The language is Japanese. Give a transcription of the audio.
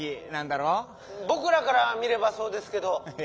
ぼくらから見ればそうですけど。